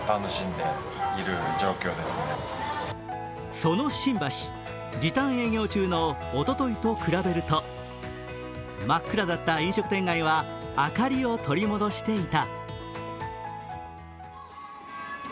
その新橋、時短営業中のおとといと比べると、真っ暗だった飲食店街は明りを取り戻していた。